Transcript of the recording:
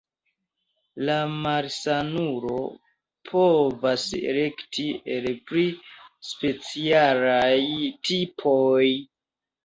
La malsanulo povas elekti el pli specialaj tipoj.